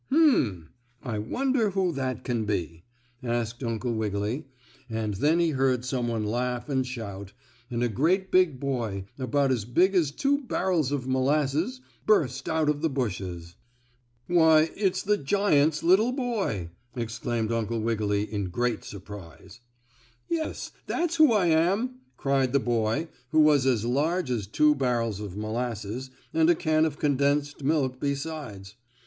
"Hum! I wonder who that can be?" asked Uncle Wiggily, and then he heard some one laugh and shout, and a great big boy, about as big as two barrels of molasses, burst out of the bushes. "Why, it's the giant's little boy!" exclaimed Uncle Wiggily in great surprise. "Yes, that's who I am!" cried the boy who was as large as two barrels of molasses, and a can of condensed milk besides.